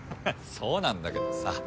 そうなんだけどさ